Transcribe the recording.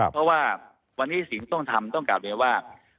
เพราะว่าวันนี้สิ่งต้องทำต้องกลับเรียนว่า